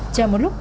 c pública lại